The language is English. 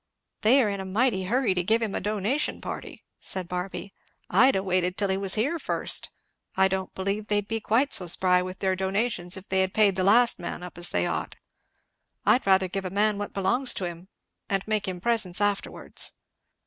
"They are in a mighty hurry to give him a donation party!" said Barby. "I'd ha' waited till he was here first. I don't believe they'd be quite so spry with their donations if they had paid the last man up as they ought. I'd rather give a man what belongs to him, and make him presents afterwards."